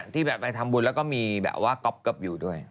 ที่แบบไปทำบุญแล้วก็มีแบบว่าก๊อบอยู่ด้วย